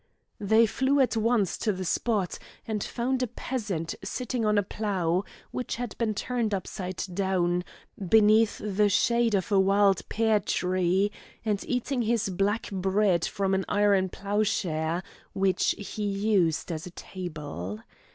They flew at once to the spot, and found a peasant sitting on a plough, which had been turned upside down, beneath the shade of a wild pear tree, and eating his black bread from an iron ploughshare, which he used as a table.